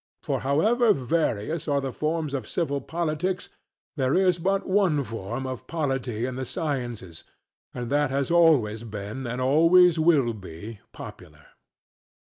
For however various are the forms of civil politics, there is but one form of polity in the sciences; and that always has been and always will be popular.